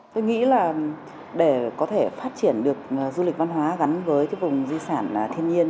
tôi nghĩ là để có thể phát triển được du lịch văn hóa gắn với cái vùng di sản thiên nhiên